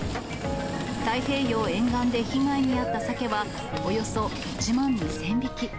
太平洋沿岸で被害に遭ったサケは、およそ１万２０００匹。